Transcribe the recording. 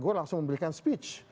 gore langsung memberikan speech